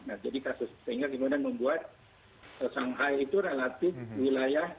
nah jadi kasus sehingga kemudian membuat shanghai itu relatif wilayah